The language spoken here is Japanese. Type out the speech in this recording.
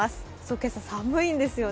今朝、寒いんですよね